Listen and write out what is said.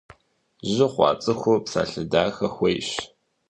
Жьы хъуа цӏыхур псалъэ дахэ хуейщ.